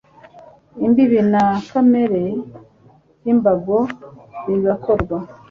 imbibi na kamere by imbago bigakorwa